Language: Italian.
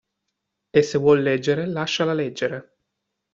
E se vuol leggere, lasciala leggere!